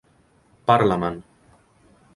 Parla-me'n.